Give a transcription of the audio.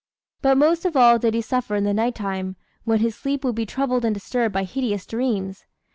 But most of all did he suffer in the night time, when his sleep would be troubled and disturbed by hideous dreams.